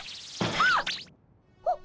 あっ！